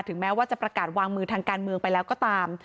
แม้ว่าจะประกาศวางมือทางการเมืองไปแล้วก็ตาม